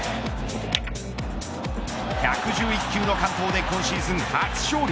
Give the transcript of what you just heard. １１１球の完投で今シーズン初勝利。